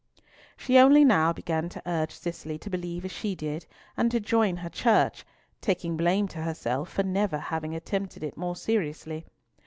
She only now began to urge Cicely to believe as she did, and to join her Church, taking blame to herself for never having attempted it more seriously.